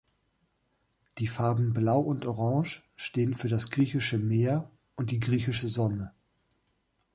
Die Farben Blau und Orange stehen für das griechische Meer und die griechische Sonne.